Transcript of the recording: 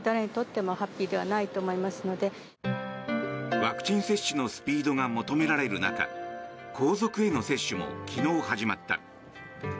ワクチン接種のスピードが求められる中皇族への接種も昨日始まった。